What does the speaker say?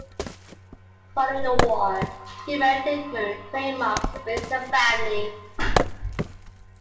Following the war, he married Mary Crain Marks and raised a family.